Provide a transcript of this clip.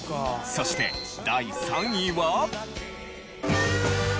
そして第３位は。